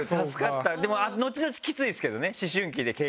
でものちのちきついですけどね。